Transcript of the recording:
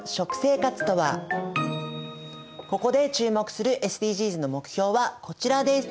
ここで注目するＳＤＧｓの目標はこちらです。